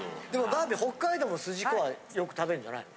バービー北海道もすじこはよく食べるんじゃないの？